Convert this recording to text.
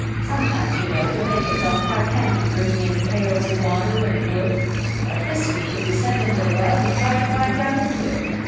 Sometimes, you know, he'll make himself quite handy, bringing in pails of water and wood. But this week if we sent him to the well he'd try to climb down into it.